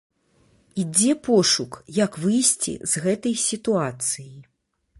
Ідзе пошук, як выйсці з гэтай сітуацыі.